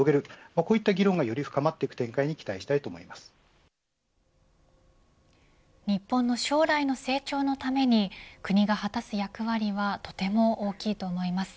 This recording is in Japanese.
こういった議論がより深まっていく展開に日本の将来の成長のために国が果たす役割はとても大きいと思います。